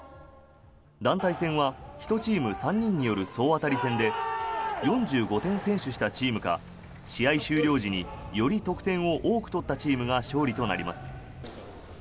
団体戦は１チーム３人による総当たり戦で４５点先取したチームが試合終了時により得点を多く取ったチームが勝利となります。